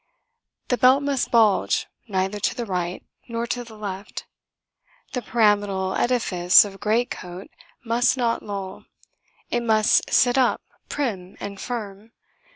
The belt must bulge neither to the right nor to the left; the pyramidal edifice of great coat must not loll it must sit up prim and firm.